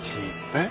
えっ？